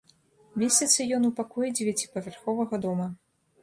Месціцца ён у пакоі дзевяціпавярховага дома.